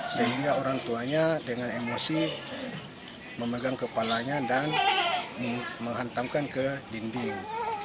sehingga orang tuanya dengan emosi memegang kepalanya dan menghantamkan ke dinding